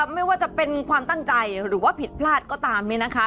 ไม่ว่าจะเป็นความตั้งใจหรือว่าผิดพลาดก็ตาม